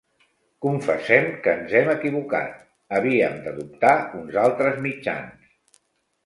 Confessem que ens hem equivocat: havíem d'adoptar uns altres mitjans.